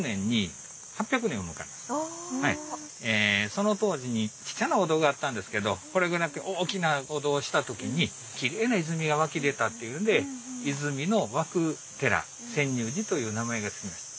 その当時にちっちゃなお堂があったんですけどこれぐらい大きなお堂にした時にきれいな泉が湧き出たっていうんで泉の湧く寺泉涌寺という名前が付きました。